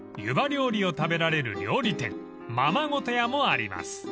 料理を食べられる料理店ままごと屋もあります］